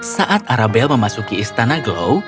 saat arabel memasuki istana glow